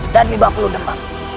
dan lima puluh demam